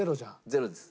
ゼロです。